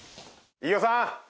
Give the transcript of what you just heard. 飯尾さん